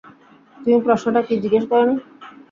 তুমি প্রশ্নটা কি জিজ্ঞেস করনি।